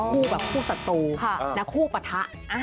คู่แบบคู่ศัตรูและคู่ปะทะ